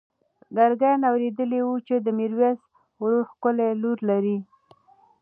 ګرګین اورېدلي وو چې د میرویس ورور ښکلې لور لري.